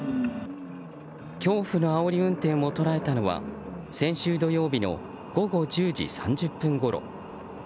恐怖のあおり運転を捉えたのは先週土曜日の午後１０時３０分ごろ。